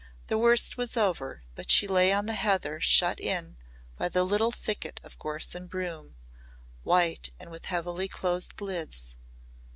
The worst was over but she lay on the heather shut in by the little thicket of gorse and broom white and with heavily closed lids.